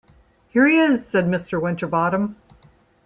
“Here he is!” said Mr. Winterbottom.